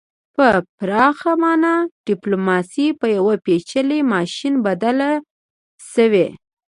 په پراخه مانا ډیپلوماسي په یو پیچلي ماشین بدله شوې ده